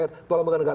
ketua lembaga negara